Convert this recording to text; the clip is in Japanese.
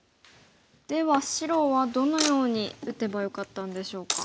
では白はどのように打てばよかったんでしょうか。